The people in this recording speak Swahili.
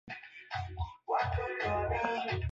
Kijana alirudi.